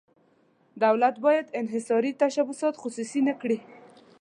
دولت باید انحصاري تشبثات خصوصي نه کړي.